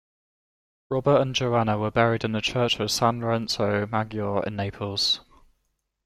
Robert and Joanna were buried in the church of San Lorenzo Maggiore in Naples.